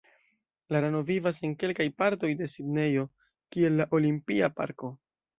La rano vivas en kelkaj partoj de Sidnejo, kiel la olimpia parko.